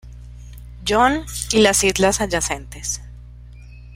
John y las islas adyacentes.